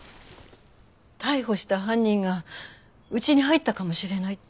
逮捕した犯人がうちに入ったかもしれない。